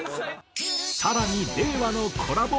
更に令和のコラボ